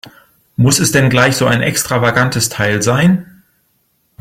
Muss es denn gleich so ein extravagantes Teil sein?